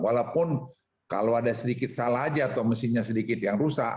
walaupun kalau ada sedikit salah aja atau mesinnya sedikit yang rusak